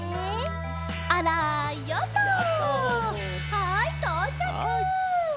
はいとうちゃく！